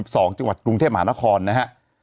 จังหวัดกรุงเทพมหานครนะฮะ